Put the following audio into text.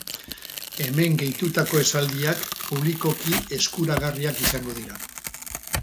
Hemen gehitutako esaldiak publikoki eskuragarriak izango dira.